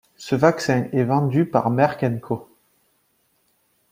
Ce vaccin est vendu par Merck & Co.